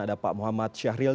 ada pak muhammad syahril